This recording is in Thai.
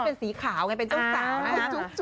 เป็นสีขาวไงเป็นเจ้าสาวนะคะ